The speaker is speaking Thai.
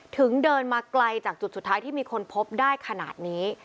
ถึงเดินมาไกลจากจุดสุดท้ายที่มีคนพบได้ขนาดนี้